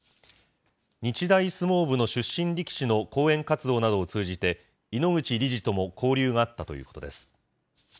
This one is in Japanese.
日大相撲部の出身力士の後援活動などを通じて、井ノ口理事とも交流があったということです。